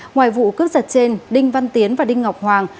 ngoài vụ cướp giật trên đinh văn tiến và đinh ngọc hoàng